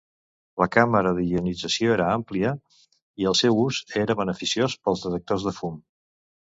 La càmera d'ionització era amplia i el seu ús era beneficiós pels detectors de fum.